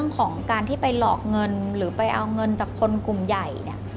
ของการที่ไปหลอกเงินหรือไปเอาเงินจากคนกลุ่มใหญ่เนี่ย